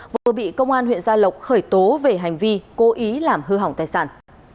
vừa bị công an huyện gia lộc khởi tố về hành vi cố ý làm hư hỏng tài sản